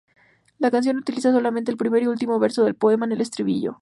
La canción utiliza solamente el primer y último verso del poema, en el estribillo.